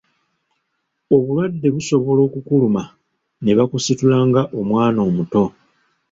Obulwadde busobola okukuluma ne bakusitula nga omwana omuto.